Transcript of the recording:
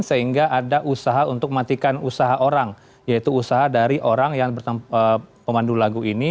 sehingga ada usaha untuk mematikan usaha orang yaitu usaha dari orang yang pemandu lagu ini